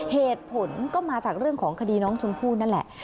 เหตุผลก็มาจากเรื่องของคดีน้องชมพู่นั่นแหละ